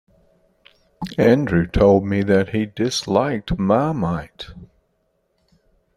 Andrew told me that he disliked Marmite.